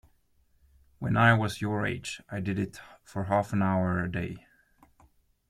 When I was your age, I did it for half-an-hour a day.